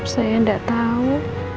saya enggak tahu